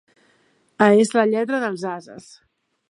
A és la lletra dels ases.